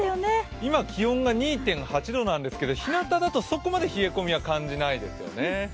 今、気温が２．８度なんですけど、日なただとそこまで冷え込みは感じないですよね。